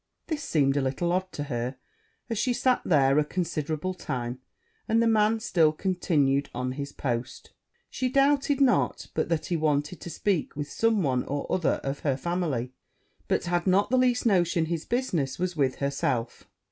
This seemed a little odd to her, as she sat there a considerable time, and the man still continued on his post: she doubted not but that he wanted to speak with some one or other of her family, but had not the least notion his business was with herself.